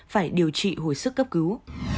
phải điều trị hồi sức cấp cứu